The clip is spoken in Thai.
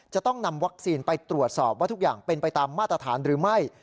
จะต้องนำวัคซีนไปตรวจสอบว่าทุกอย่างเป็นไปตามมาตรฐานหรือไม่